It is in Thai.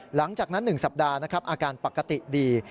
หลังจากนั้น๑สัปดาห์นะครับอาการปกติดี